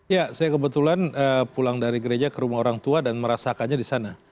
ya saya kebetulan pulang dari gereja ke rumah orang tua dan merasakannya di sana